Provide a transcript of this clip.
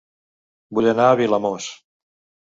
Vull anar a Vilamòs